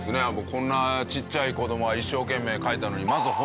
こんなちっちゃい子供が一生懸命描いたのに「うわすげえ！」